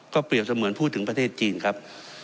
เปรียบเสมือนพูดถึงประเทศจีนครับ